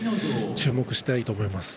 注目したいと思います。